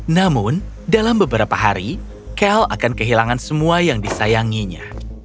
namun dalam beberapa hari kel akan kehilangan semua yang disayanginya